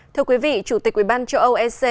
thưa quý vị chủ tịch quyền ban châu âu ec